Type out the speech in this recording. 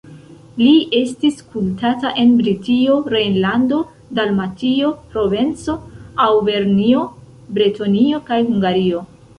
Li estis kultata en Britio, Rejnlando, Dalmatio, Provenco, Aŭvernjo, Bretonio kaj Hungario.